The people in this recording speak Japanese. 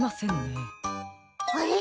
あれ？